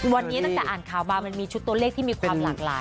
วันนี้ตั้งแต่อ่านข่าวมามันมีชุดตัวเลขที่มีความหลากหลาย